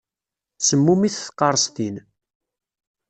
Semmumit tqaṛestin.